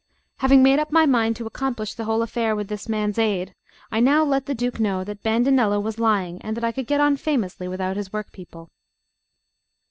Having made up my mind to accomplish the whole affair with this man's aid, I now let the Duke know that Bandinello was lying, and that I could get on famously without his workpeople.